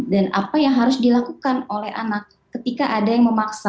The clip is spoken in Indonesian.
dan apa yang harus dilakukan oleh anak ketika ada yang memaksa